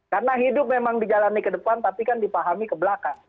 karena hidup memang dijalani ke depan tapi kan dipahami ke belakang